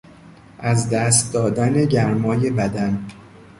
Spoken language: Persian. از دست دادن گرمای بدن